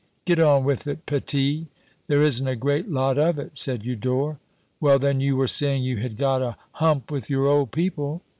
"Get on with it, petit." "There isn't a great lot of it," said Eudore. "Well, then, you were saying you had got a hump with your old people?"